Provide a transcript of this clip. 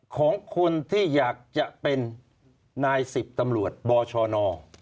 ของคนที่อยากจะเป็นนาย๑๐ตำรวจบชน